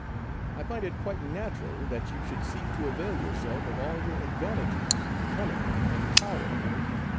I find it quite natural that you should seek to avail yourself of all your ad vantages, cunning, and power.